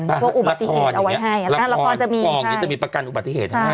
พวกอุบัติเหตุเอาไว้ให้ละครจะมีกองอย่างนี้จะมีประกันอุบัติเหตุให้